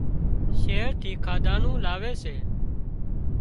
شهر ٿي کاڌا نُون لاوي سي